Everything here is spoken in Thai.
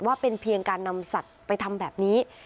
ว่าเป็นเพียงการนำสัตว์ไปทำแบบนี้